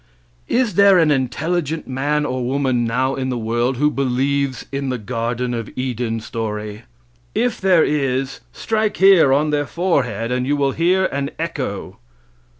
Is there an intelligent man or woman now in the world who believes in the Garden of Eden story? If there is, strike here (tapping his forehead) and you will hear an echo.